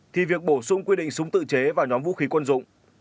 thì việc bổ sung quy định súng tự chế vào nhóm vũ khí quân dụng